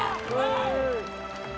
terima kasih banyak